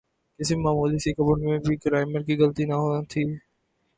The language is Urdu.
کسی معمولی سی خبر میں بھی گرائمر کی غلطی نہ ہوتی۔